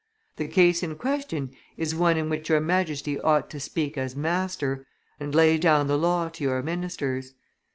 The case in question is one in which your Majesty ought to speak as master, and lay down the law to your ministers.